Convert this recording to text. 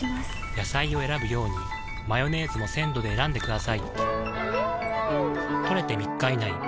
野菜を選ぶようにマヨネーズも鮮度で選んでくださいん！